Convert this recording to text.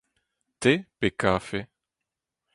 Te pe kafe ?